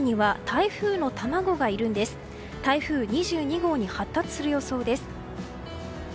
台風２２号に発達する予想です。